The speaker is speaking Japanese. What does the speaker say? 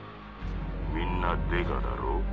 みんな刑事だろ？